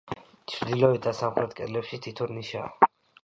ჩრდილოეთ და სამხრეთ კედლებში თითო ნიშაა.